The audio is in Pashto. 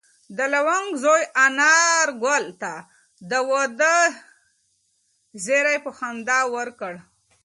د لونګ زوی انارګل ته د واده زېری په خندا ورکړ.